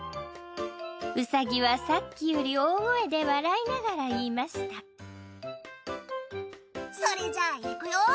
うさぎはさっきより大声で笑いながら言いましたそれじゃ行くよ。